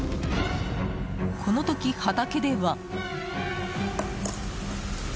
この時、畑では。